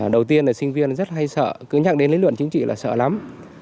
đầu tiên là sinh viên rất hay sợ cứ nhắc đến lý luận chính trị là sợ lắm